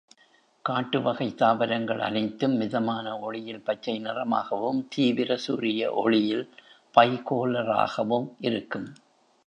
காட்டு-வகை தாவரங்கள் அனைத்தும் மிதமான ஒளியில் பச்சை நிறமாகவும், தீவிர சூரிய ஒளியில் பைகோலராகவும் இருக்கும்.